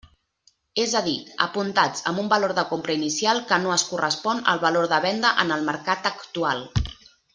És a dir, apuntats amb un valor de compra inicial que no es correspon al valor de venda en el mercat actual.